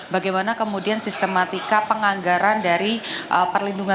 bagaimana kemudian sistematika penganggaran dari perlindungan